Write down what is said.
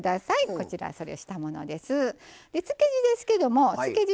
こちらそれをしたものです。